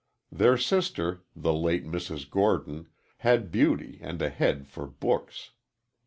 Their sister the late Mrs. Gordon had beauty and a head for books.